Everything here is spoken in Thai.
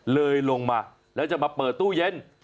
เลยลงมาแล้วจะมาเปิดตู้เย็น